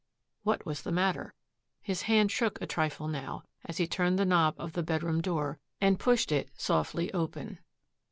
What was the matter? His hand shook a trifle now as he turned the knob of the bedroom door and pushed it softly open.